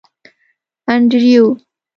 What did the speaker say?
انډریو.